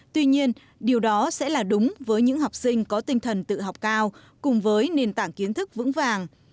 tuy nhiên điều đó sẽ là đúng với những học sinh có tinh thần tự học cao cùng với nền tảng kiến thức vững vàng